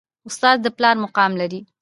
استاد د پلار مقام لري